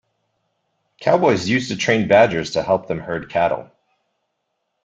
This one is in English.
Cowboys used to train badgers to help them herd cattle.